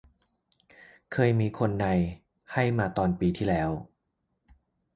เคยมีคนใน ให้มาตอน ปีที่แล้ว